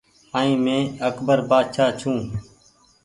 ائين مينٚ اڪبر بآڇآ ڇوٚنٚ